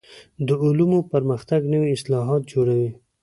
د علومو پرمختګ نوي اصطلاحات جوړوي.